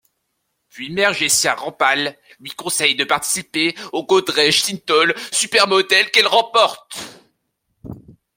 Puis Mehr Jessia Rampal lui conseille de participer au Godrej Cinthol Supermodel qu'elle remporte.